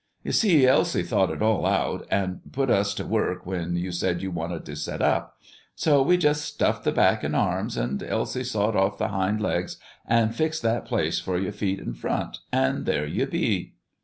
"You see, Elsie thought it all out, and put us to work, when you said you wanted to set up: so we jest stuffed the back an' arms, and Elsie sawed off the hind legs an' fixed that place for your feet in front, and there you be!"